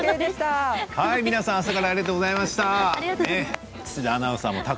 皆さん朝からありがとうございました。。